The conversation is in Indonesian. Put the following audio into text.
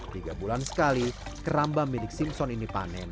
tiga bulan sekali keramba milik simpson ini panen